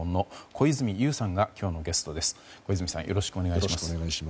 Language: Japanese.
小泉さんよろしくお願いします。